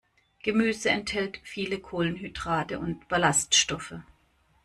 Gemüse enthält viele Kohlenhydrate und Ballaststoffe.